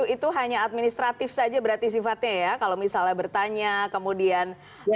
itu hanya administratif saja berarti sifatnya ya kalau misalnya bertanya kemudian